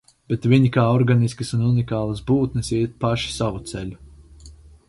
Bet viņi kā organiskas un unikālas būtnes iet paši savu ceļu.